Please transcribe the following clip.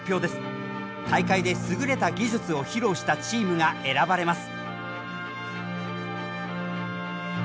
大会で優れた技術を披露したチームが選ばれます。